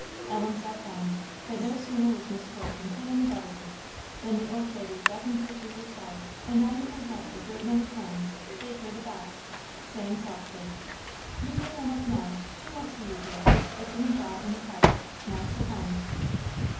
Ellen sat down. But no sooner was Miss Fortune hid in the buttery, than the old lady beckoned her to her side, and nodding her head a great many times, gave her the box, saying, softly "You can run up now; she won't see you, deary. It's in a jar in the closet. Now's the time."